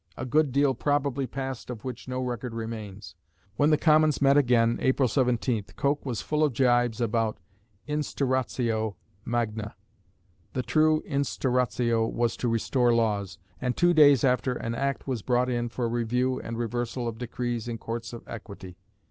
A good deal probably passed of which no record remains. When the Commons met again (April 17) Coke was full of gibes about Instauratio Magna the true Instauratio was to restore laws and two days after an Act was brought in for review and reversal of decrees in Courts of Equity.